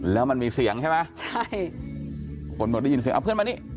แล้วมันมีเสียงใช่ไหมใช่คนบอกได้ยินเสียงเอาเพื่อนมานี่